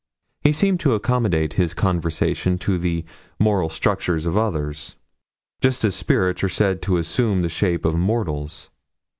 He seemed to accommodate his conversation to the moral structure of others, just as spirits are said to assume the shape of mortals.